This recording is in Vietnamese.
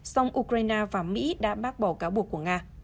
song ukraine và mỹ đã bác bỏ cáo buộc của nga